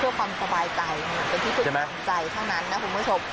เพื่อความสบายใจเป็นที่ฝึกทำใจเท่านั้นนะคุณผู้ชม